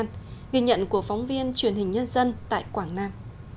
nghi nhận của phóng viên truyền hình nhân dân tại quảng nam